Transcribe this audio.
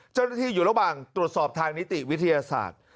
เจ้าหน้าที่อยู่ระหว่างตรวจสอบทางนิติวิทยาศาสตร์